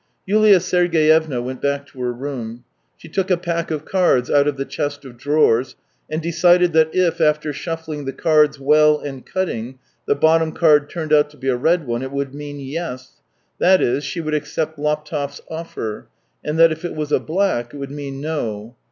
YuHa Sergeyevna went back to her room. She took a pack of cards out of the chest of drawers, and decided that if after shuffling the cards well and cutting, the bottom card turned out to be a red one, it would mean yes — that is, she would accept Laptev's offer; and that if it was a black, it would mean no.